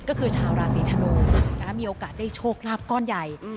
ก็คือชาวราศีธนูมีโอกาสได้โชคลาภก้อนใหญ่